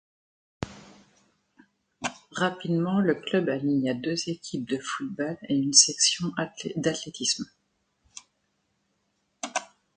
Rapidement, le club aligna deux équipes de Football et une section d’Athlétisme.